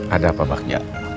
ada apa paknya